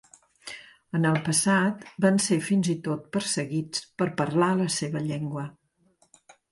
En el passat, van ser fins i tot perseguits per parlar la seva llengua.